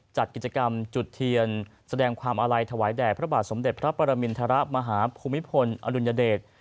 จัดกิจกรรมจุดเทียนแสดงความอาลัยถวายแด่พระบาทสมเด็จพระปรมินทรมาฮภูมิพลอดุลยเดช